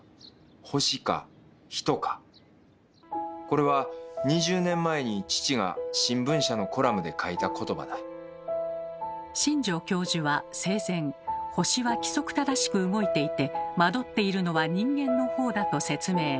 これは２０年前に父が新聞社のコラムで書いた言葉だ新城教授は生前星は規則正しく動いていて惑っているのは人間の方だと説明。